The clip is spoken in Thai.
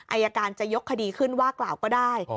อายการจะยกคดีขึ้นว่ากล่าวก็ได้